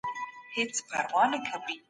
که جګړه پای ته ورسیږي، وضعیت به ښه سي.